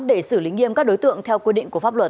để xử lý nghiêm các đối tượng theo quy định của pháp luật